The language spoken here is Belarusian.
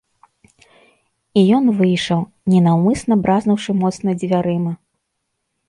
І ён выйшаў, ненаўмысна бразнуўшы моцна дзвярыма.